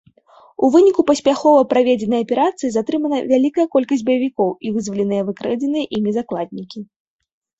У выніку паспяхова праведзенай аперацыі затрымана вялікая колькасць баевікоў і вызваленыя выкрадзеныя імі закладнікі.